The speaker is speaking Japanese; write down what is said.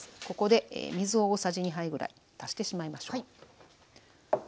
ここで水を大さじ２杯ぐらい足してしまいましょう。